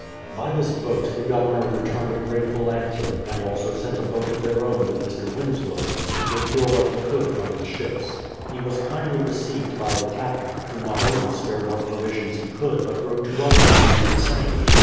By this boat the Governor returned a grateful answer, and also sent a boat of their own with Mr. Winslow, to procure what he could from the ships. He was kindly received by the captain, who not only spared what provisions he could but wrote to others to do the same.